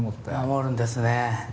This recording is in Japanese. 守るんですね。